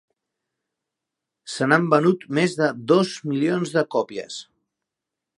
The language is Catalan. Se n'han venut més de dos milions de còpies.